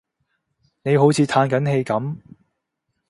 你好似歎緊氣噉